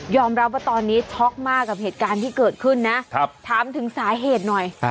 รับว่าตอนนี้ช็อกมากกับเหตุการณ์ที่เกิดขึ้นนะถามถึงสาเหตุหน่อย